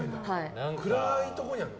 暗いところにあるの？